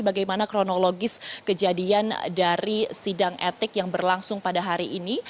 bagaimana kronologis kejadian dari sidang etik yang berlangsung pada hari ini